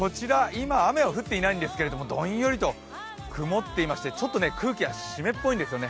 今、雨は降っていないんですけれども、どんよりと曇っていましてちょっと空気が湿っぽいんですね